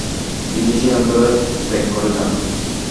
তিনি সেই অঞ্চল ত্যাগ করে যান।